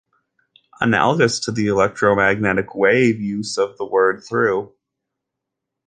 Analogous to the electromagnetic wave use of the word trough.